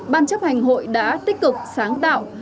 ban chấp hành hội đã tích cực sáng tạo